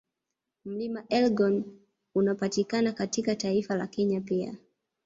Mlima Elgoni unapatiakana katika taifa la Kenya pia